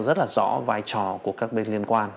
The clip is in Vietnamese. rất là rõ vai trò của các bên liên quan